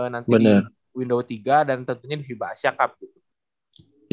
nanti di window tiga dan tentunya di fiba asia cup gitu